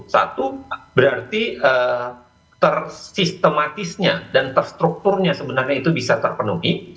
satu berarti tersistematisnya dan terstrukturnya sebenarnya itu bisa terpenuhi